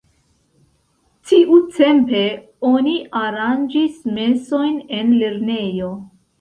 Tiutempe oni aranĝis mesojn en lernejo.